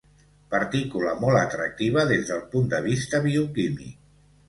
Partícula molt atractiva des del punt de vista bioquímic.